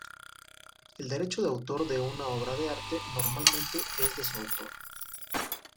El derecho de autor de una obra de arte normalmente es de su autor.